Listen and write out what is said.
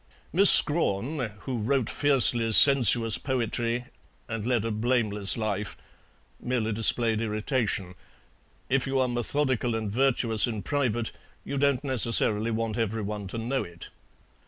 Miss Scrawen, who wrote fiercely sensuous poetry and led a blameless life, merely displayed irritation; if you are methodical and virtuous in private you don't necessarily want every one to know it.